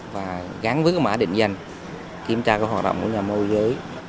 và gắn với cái mã định danh kiểm tra các hoạt động của nhà môi giới